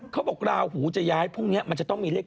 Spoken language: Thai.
เขาบอกราหูจะย้ายพรุ่งนี้มันจะต้องมีเลข๗